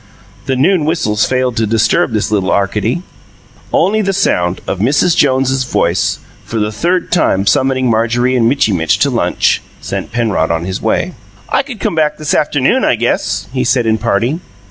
The noon whistles failed to disturb this little Arcady; only the sound of Mrs. Jones' voice for the third time summoning Marjorie and Mitchy Mitch to lunch sent Penrod on his way. "I could come back this afternoon, I guess," he said, in parting.